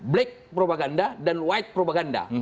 black propaganda dan white propaganda